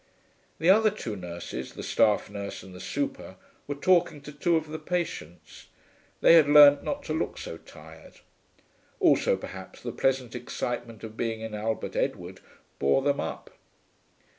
The other two nurses, the staff nurse and the super, were talking to two of the patients. They had learnt not to look so tired. Also perhaps the pleasant excitement of being in Albert Edward bore them up.